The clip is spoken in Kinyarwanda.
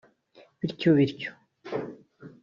bityo bityo